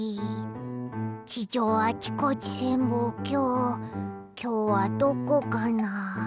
地上あちこち潜望鏡きょうはどこかな？